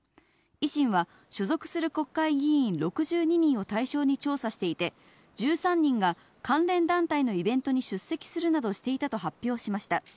維新は所属する国会議員６２人を対象に調査していて、１３人が関連団体のイベントに出席するなどしていたと発表しました。